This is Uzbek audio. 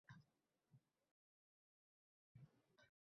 Yuziga, kiyimlariga dengiz havosi urildi